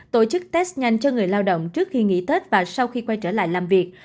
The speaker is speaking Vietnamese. tổ chức test nhanh cho người lao động trước khi nghỉ tết và sau khi quay trở lại làm việc